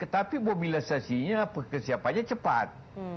tapi mobilisasinya kesiapannya cepat